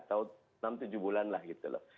atau enam tujuh bulan lah gitu loh